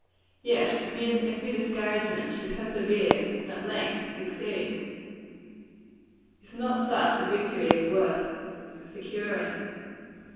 Yet, amid every discouragement, she perseveres, and at length succeeds. Is not such a victory worth securing?